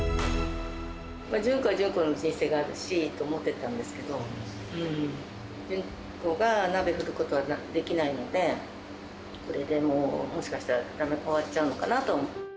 純子は純子の人生があるしと思ってたんですけど、純子が鍋振ることはできないので、これでもう、もしかしたら終わっちゃうのかなと。